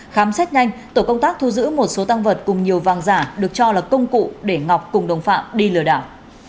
khám xét nhanh tổ công tác thu giữ một số tăng vật cùng nhiều vàng giả được cho là công cụ để ngọc cùng đồng phạm đi lừa đảo